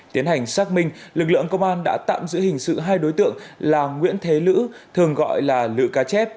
tiến hành xác minh lực lượng công an đã tạm giữ hình sự hai đối tượng là nguyễn thế lữ thường gọi là lự cá chép